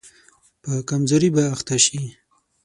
په کمزوري به اخته شي.